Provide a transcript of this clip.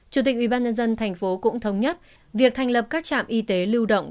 chủ tịch ubnd thành phố cũng thống nhất việc thành lập các trạm y tế lưu động